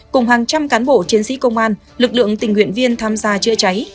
cùng hàng trăm cán bộ chiến sĩ công an lực lượng tình nguyện viên tham gia chữa cháy